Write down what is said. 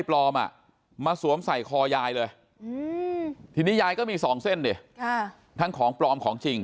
มาสวมใส่คอยายเลยทีนี้ยายก็มี๒เส้นดิทั้งของปลอมของจริง